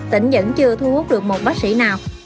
tỉnh vẫn chưa thu hút được một bác sĩ nào